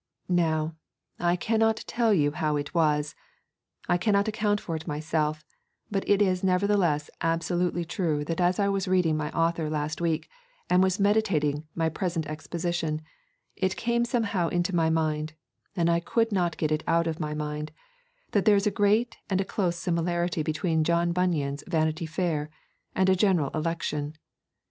Now, I cannot tell you how it was, I cannot account for it to myself, but it is nevertheless absolutely true that as I was reading my author last week and was meditating my present exposition, it came somehow into my mind, and I could not get it out of my mind, that there is a great and a close similarity between John Bunyan's Vanity Fair and a general election.